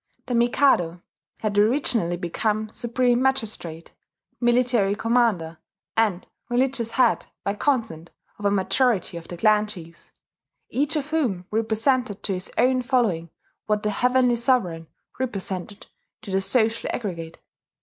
The Mikado had originally become supreme magistrate, military commander, and religious head by consent of a majority of the clan chiefs, each of whom represented to his own following what the "Heavenly Sovereign" represented to the social aggregate.